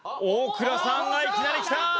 大倉さんがいきなりきた！